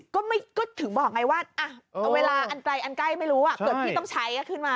ก็ถึงบอกไงว่าเวลาอันไกลอันใกล้ไม่รู้เกิดที่ต้องใช้ขึ้นมา